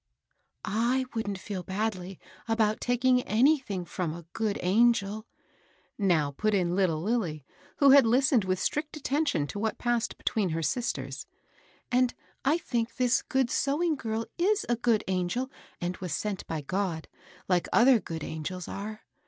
I wouldn't feel badly about taking anything from a good angel," now put in little Lilly, who had listened with strict attention to what passed between her sisters ;" and I think this good sew ing girl is a good angel, and was sent by God, like other good angels are.